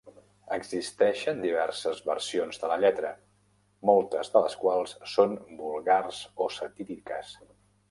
Existeixen diverses versions de la lletra, moltes de les quals són vulgars o satíriques.